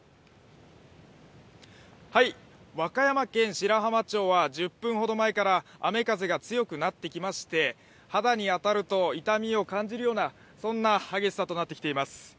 和歌山県白浜町は１０分ほど前から雨・風が強くなってきまして、肌に当たると痛みを感じるような激しさとなってきています。